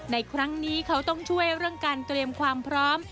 ในครั้งนี้เขาต้องช่วยเรื่องการเตรียมความพร้อม